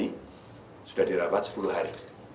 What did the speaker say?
ini sudah dirawat sepuluh hari